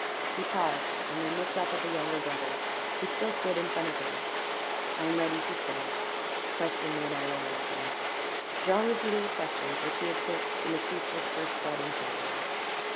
He paused, and then looked up at the younger brother, who still stood in front of him. "I am ready," he said. "Question me, and I will answer." Jean repeated the questions which he had put when the priest was first brought into the room.